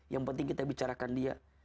yang penting kita bicarakan dia